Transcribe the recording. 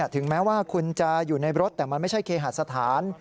ถึงแม้ว่าคุณจะอยู่ในรถแต่มันไม่ใช่เคหาสถาน